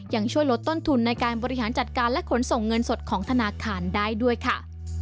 ยังช่วยลดต้นทุนในการบริหารจัดการและขนส่งเงินสดของธนาคารได้ด้วยค่ะ